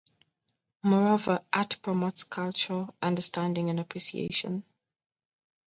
Moreover, art promotes cultural understanding and appreciation.